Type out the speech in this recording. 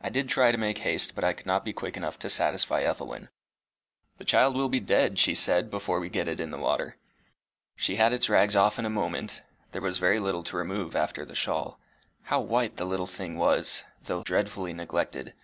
I did try to make haste, but I could not be quick enough to satisfy Ethelwyn. "The child will be dead," she cried, "before we get it in the water." She had its rags off in a moment there was very little to remove after the shawl. How white the little thing was, though dreadfully neglected!